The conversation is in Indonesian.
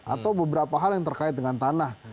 atau beberapa hal yang terkait dengan tanah